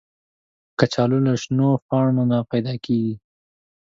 کچالو له شنو پاڼو نه پیدا کېږي